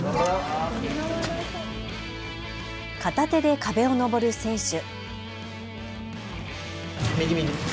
片手で壁を登る選手。